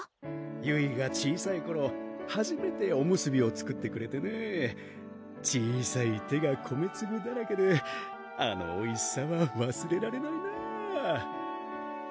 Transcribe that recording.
ゆいが小さい頃はじめておむすびを作ってくれてね小さい手が米粒だらけであのおいしさはわすれられないなぁ・